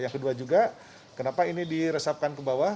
yang kedua juga kenapa ini diresapkan ke bawah